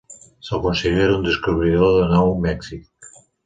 Se'l considera un descobridor de Nou Mèxic.